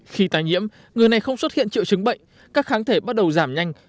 khi tái nhiễm người này không xuất hiện triệu chứng bệnh các kháng thể bắt đầu giảm nhanh